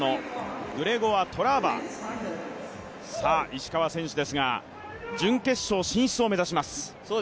石川選手ですが、準決勝進出を目指します。